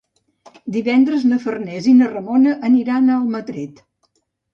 Divendres na Farners i na Ramona aniran a Almatret.